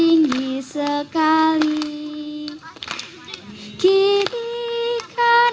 menghujar muslim panggilan menjjas